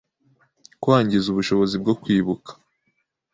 kwangiza ubushobozi bwo kwibuka,